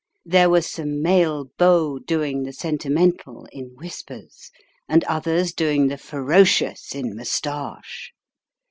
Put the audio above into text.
There were some male beaux doing the sentimental in whispers, and others doing the ferocious in moustache.